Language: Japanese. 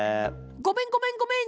ごめんごめんごめん。